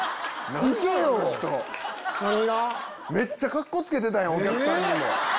めっちゃカッコつけてたお客さんにも。